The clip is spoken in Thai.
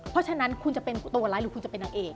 เพราะฉะนั้นคุณจะเป็นตัวร้ายหรือคุณจะเป็นนางเอก